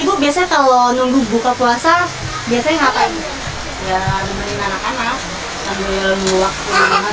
ibu biasanya kalau nunggu buka puasa biasanya ngapain ya